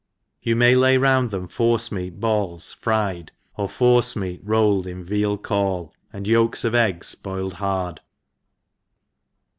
You may lay round them forceibeat balls fried, or forcemeat rolled in a veal caul, and yolks of eggs boiled hard.